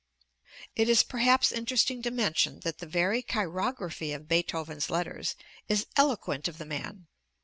It is perhaps interesting to mention that the very chirography of Beethoven's letters is eloquent of the man.